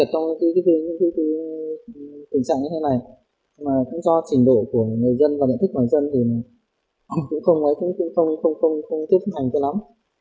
mà cũng do trình độ của người dân và địa phương ngoài dân thì cũng không tiếp hành cho lắm